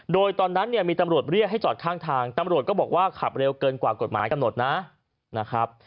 โดยตอนนั้นเนี่ยมีตำรวจเรียกให้จอดข้างทางตำรวจก็บอกว่าขับเร็วเกินกว่ากฎหมายกำหนดนะครับ